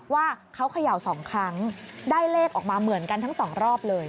ว่าเขาเขย่า๒ครั้งได้เลขออกมาเหมือนกันทั้งสองรอบเลย